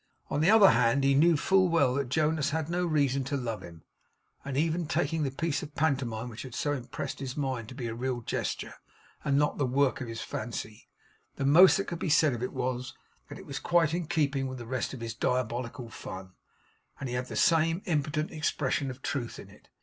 On the other hand, he knew full well that Jonas had no reason to love him; and even taking the piece of pantomime which had so impressed his mind to be a real gesture, and not the working of his fancy, the most that could be said of it was, that it was quite in keeping with the rest of his diabolical fun, and had the same impotent expression of truth in it.